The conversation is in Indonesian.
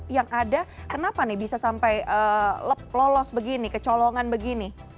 yang ada kenapa nih bisa sampai lolos begini kecolongan begini